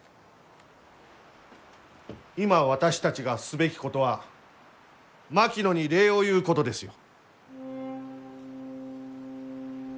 今私たちがすべきことは槙野に礼を言うことですよ。